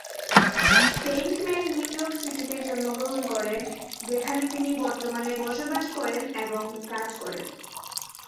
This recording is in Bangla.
শেইঙ্কম্যান নিউ ইয়র্ক সিটিতে জন্মগ্রহণ করেন, যেখানে তিনি বর্তমানে বসবাস করেন এবং কাজ করেন।